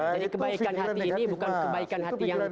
jadi kebaikan hati ini bukan kebaikan hati yang tulus